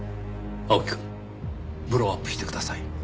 青木くんブローアップしてください。